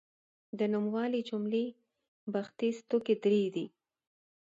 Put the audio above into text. د نوموالي جملې بنسټیز توکي درې دي.